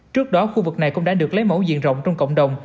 trước đó khu vực này cũng đã được lấy mẫu diện rộng trong cộng đồng